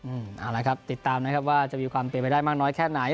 เอาละครับติดตามนะครับว่าจะมีความเป็นไปได้มากน้อยแค่ไหน